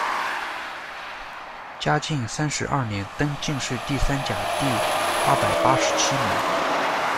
嘉靖三十二年，登进士第三甲第二百八十七名。